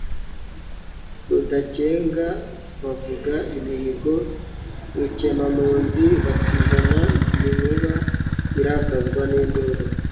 Rudakenga bavuga imihigo, rukemampunzi batijana, Ndi inkuba irakazwa n'induru.